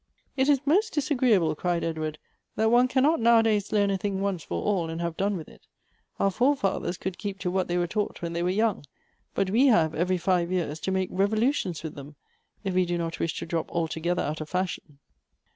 "It is most disagreeable," cried Edward, "that one cannot now a days learn a thing once for all, and have done with it. Our forefathers could keep to what they were taught when they were young ; but we have, every five years, to make revolutions with them, if we do not wisli to drop altogether out of fashion."